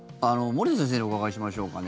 森田先生にお伺いしましょうか。